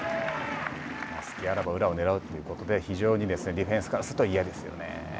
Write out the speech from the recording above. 隙あらば裏をねらうということで、非常にディフェンスからすると嫌ですよね。